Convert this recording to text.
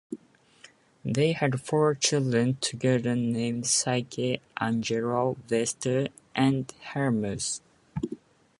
They had four children together named Psyche, Angelo, Vesta, and Hermes.